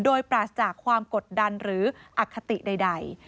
โดยปราศจากความกดดันหรืออคติใด